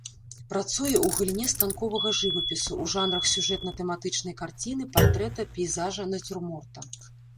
Працуе ў галіне станковага жывапісу, у жанрах сюжэтна-тэматычнай карціны, партрэта, пейзажа, нацюрморта.